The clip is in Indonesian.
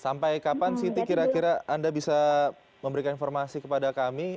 sampai kapan siti kira kira anda bisa memberikan informasi kepada kami